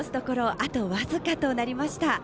あと僅かとなりました。